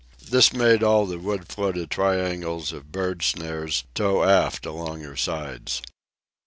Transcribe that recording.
This made all the wood floated triangles of bird snares tow aft along her sides.